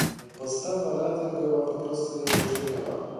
Postawa Rady była po prostu niezrozumiała